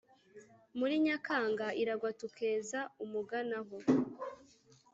muri nyakanga iragwa tukeza umuganaho